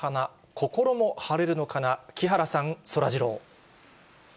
心も晴れるのかな、木原さん、そらジロー。